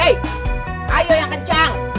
hei ayo yang kencang